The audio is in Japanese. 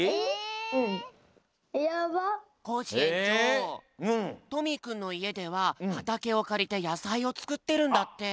コージえんちょうトミーくんのいえでははたけをかりてやさいをつくってるんだって。